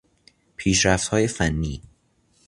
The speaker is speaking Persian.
پیشرفتهای فنی